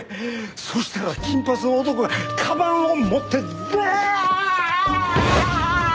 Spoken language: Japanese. そしたら金髪の男がかばんを持ってダーーーッ！